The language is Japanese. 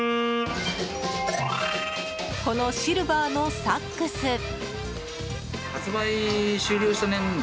このシルバーのサックス。